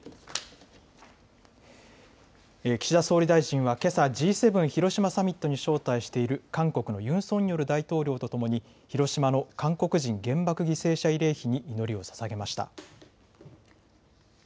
岸田総理大臣は、けさ、Ｇ７広島サミットに招待している韓国のユン・ソンニョル大統領と共に、広島の韓国人原爆犠牲者慰霊碑に祈りをささげました。